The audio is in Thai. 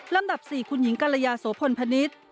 ลำดับ๔คุณหญิงกรยาโสพลพนิษฐ์